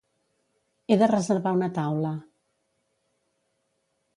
He de reservar una taula.